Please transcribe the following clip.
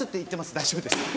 大丈夫です。